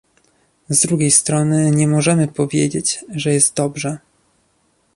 Z drugiej strony nie możemy powiedzieć, że jest dobrze